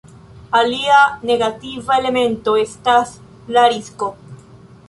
Alia negativa elemento estas la risko.